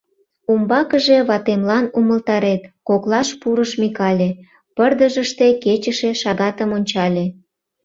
— Умбакыже ватемлан умылтарет, — коклаш пурыш Микале, пырдыжыште кечыше шагатым ончале.